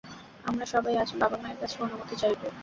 আমরা সবাই আজ বাবা-মায়ের কাছে অনুমতি চাইব।